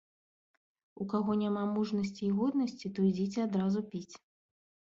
У каго няма мужнасці і годнасці, то ідзіце адразу піць.